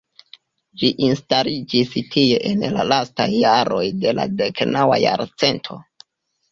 Ĝi instaliĝis tie en la lastaj jaroj de la deknaŭa jarcento.